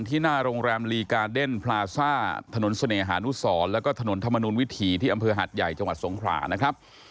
หน้าโรงแรมลีกาเดนพลาซ่าถนนเสน่หานุสรแล้วก็ถนนธรรมนุนวิถีที่อำเภอหาดใหญ่จังหวัดสงขรานะครับ